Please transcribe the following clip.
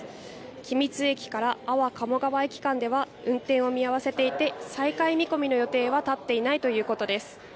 君津駅から安房鴨川駅間では運転を見合わせていて、再開見込みの予定は立っていないということです。